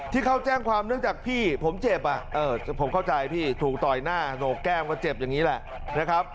ที่เขาแจ้งความเนื่องจากพี่ผมเจ็บผมเข้าใจพี่ถูกต่อยหน้าโหนกแก้มก็เจ็บอย่างนี้แหละนะครับ